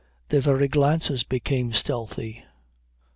Their very glances became stealthy.